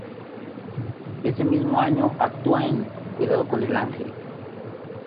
Ese mismo año actúa en "Cuidado con el ángel".